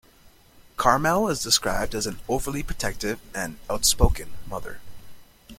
Carmel is described as an "overly protective" and "outspoken" mother.